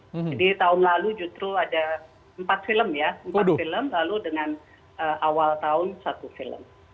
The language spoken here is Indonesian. jadi tahun lalu jutru ada empat film ya empat film lalu dengan awal tahun satu film